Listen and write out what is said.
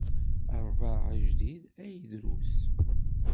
Ṛbeɛ ajdid ay drus.